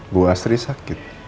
bu astri sakit